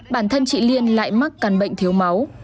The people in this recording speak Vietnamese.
bản thân chị liên lại mắc căn bệnh thiếu máu